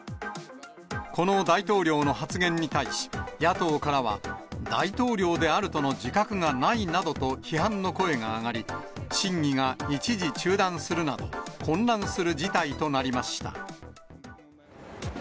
この大統領の発言に対し、野党からは、大統領であるとの自覚がないなどと批判の声が上がり、審議が一時中断するなど、混乱する事態となりました。